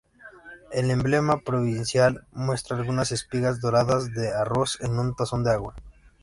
El emblema provincial muestra algunas espigas doradas de arroz en un tazón de agua.